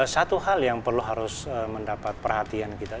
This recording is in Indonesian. satu hal yang perlu harus mendapat perhatian kita